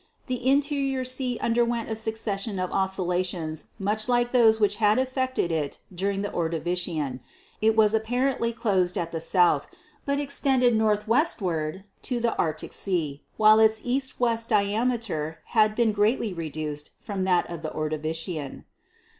The Interior Sea underwent a succession of oscillations much like those which had affected it during the Ordovician ; it was appar ently closed at the south, but extended northwestward to the Arctic Sea, while its east west diameter had been greatly reduced from that of the Ordovician.